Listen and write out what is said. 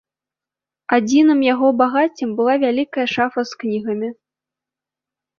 Адзіным яго багаццем была вялікая шафа з кнігамі.